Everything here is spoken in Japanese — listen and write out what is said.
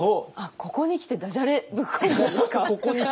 ここに来てダジャレぶっ込んだんですか？